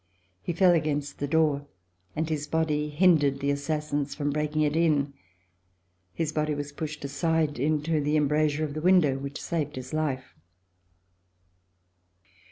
He fell against the door, and his body hindered the assassins from break ing it in. His body was pushed aside into the embra sure of the window, which saved his life.